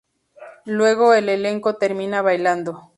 Luego el elenco termina bailando.